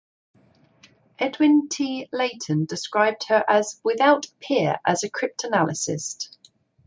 Edwin T. Layton described her as "without peer as a cryptanalyst".